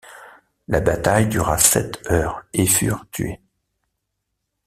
La bataille dura sept heures et furent tués.